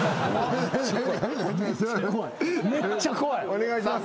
お願いします。